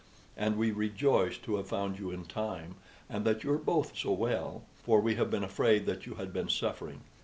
And we rejoice to have found you in time, and that you are both so well, for we have been afraid that you had been suffering.